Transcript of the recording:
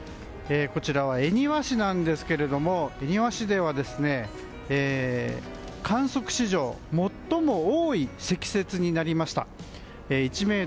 こちらは恵庭市なんですけども恵庭市では観測史上最も多い積雪になりました。